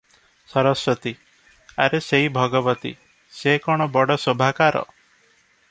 ସରସ୍ୱତୀ - ଆରେ ସେଇ ଭଗବତୀ - ସେ କଣ ବଡ଼ ଶୋଭାକାର?